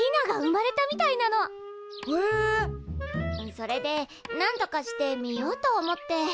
それでなんとかして見ようと思って。